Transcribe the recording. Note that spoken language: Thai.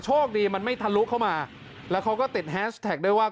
คดีมันไม่ทะลุเข้ามาแล้วเขาก็ติดแฮชแท็กด้วยว่า